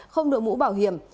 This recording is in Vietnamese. không đổ mũ bảo hiểm